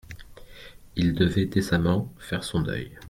Il devait décemment «faire son deuil».